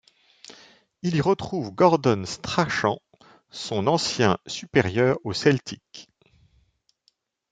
Il y retrouve Gordon Strachan, son ancien supérieur au Celtic.